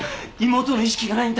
妹の意識がないんだ。